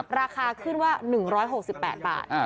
ราคาขึ้นว่า๑๖๘บาท